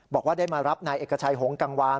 บอกว่าได้มารับนายเอกชัยหงกังวาน